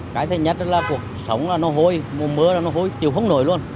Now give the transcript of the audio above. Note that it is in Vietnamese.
cái thứ nhất là cuộc sống là nó hôi mùa mưa là nó hôi chịu không nổi luôn